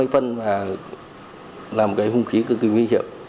sáu mươi cm là một hùng khí cực kỳ